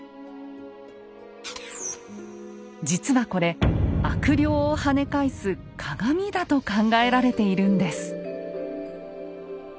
実はこれ悪霊をはね返す鏡だと考えられているんです。